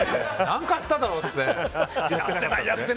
何かやっただろ！って。